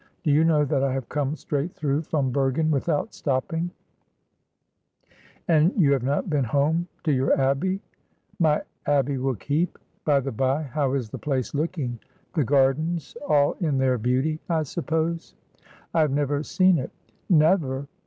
Do you know that I have come straight tlirough from Bergen without stop ping ?'' And you have not been home to your Abbey ?'' My Abbey will keep. By the bye, how is the place looking — the gardens all in their beauty, I suppose ?'' I have never seen it.' ' Never